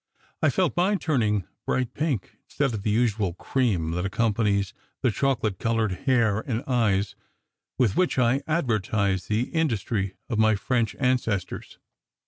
I felt mine turning SECRET HISTORY 9 bright pink, instead of the usual cream that accompanies the chocolate coloured hair and eyes with which I advertise the industry of my French ancestors.